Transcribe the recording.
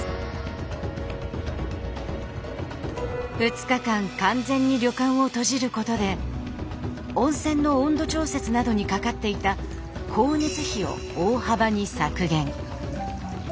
２日間完全に旅館を閉じることで温泉の温度調節などにかかっていた光熱費を大幅に削減。